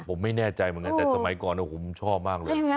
ผมไม่แน่ใจเหมือนกันแต่สมัยก่อนผมชอบมากเลย